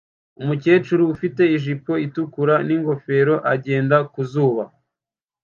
Umukecuru ufite ijipo itukura n'ingofero agenda ku zuba